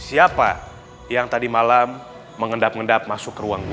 hai siapa yang tadi malam mengendap endap masuk ke ruangmu